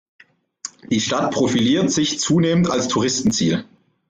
Die Stadt profiliert sich zunehmend als Touristenziel.